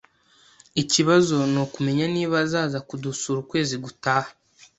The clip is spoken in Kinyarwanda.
Ikibazo nukumenya niba azaza kudusura ukwezi gutaha